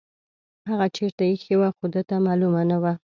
هغه چیرته ایښې وه خو ده ته معلومه نه وه.